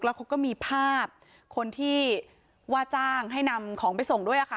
แล้วเขาก็มีภาพคนที่ว่าจ้างให้นำของไปส่งด้วยค่ะ